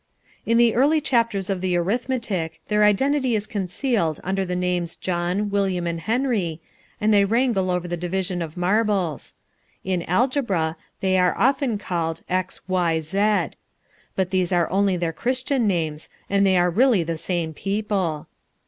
In the early chapters of the arithmetic, their identity is concealed under the names John, William, and Henry, and they wrangle over the division of marbles. In algebra they are often called X, Y, Z. But these are only their Christian names, and they are really the same people.